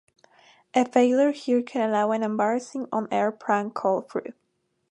A failure here can allow an embarrassing on-air prank call through.